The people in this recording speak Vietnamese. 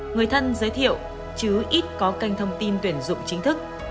người thân giới thiệu chứ ít có kênh thông tin tuyển dụng chính thức